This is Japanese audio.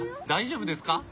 大丈夫ですか？